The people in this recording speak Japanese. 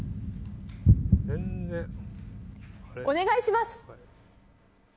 お願いします。